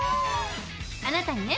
あなたにね